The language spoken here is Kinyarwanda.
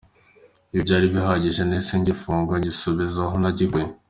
Ibyo byari bihagije nahise ngifunga ngisubiza aho nagikuye.